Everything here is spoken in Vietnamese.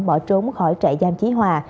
bỏ trốn khỏi trại giam chí hòa